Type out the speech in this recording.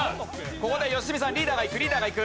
ここで良純さんリーダーがいくリーダーがいく。